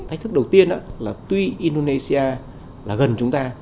thách thức đầu tiên là tuy indonesia là gần chúng ta